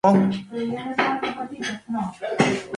Allí se entera que su padre se ha vuelto a casar.